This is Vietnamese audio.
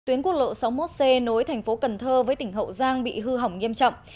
tuyến quốc lộ sáu mươi một c nối thành phố cần thơ với tỉnh hậu giang bị hư hỏng nghiêm trọng